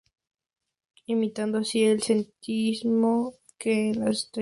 Imitando así, el sentido en que las estrellas circundan el firmamento del cielo.